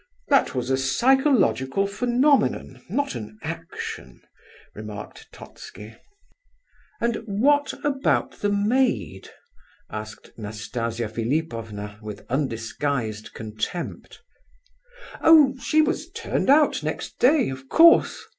"That was a psychological phenomenon, not an action," remarked Totski. "And what about the maid?" asked Nastasia Philipovna, with undisguised contempt. "Oh, she was turned out next day, of course.